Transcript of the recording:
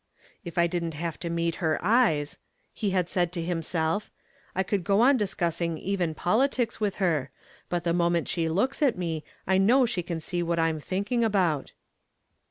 "If I didn't have to meet her eyes," he had said to himself, "I could go on discussing even politics with her, but the moment she looks at me I know she can see what I'm thinking about."